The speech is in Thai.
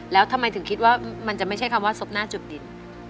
แล้วทำไมถึงคิดว่ามันจะไม่ใช่คำว่าซบหน้าจุดดิน